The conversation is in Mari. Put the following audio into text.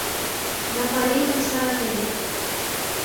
Да пареҥгым саратен!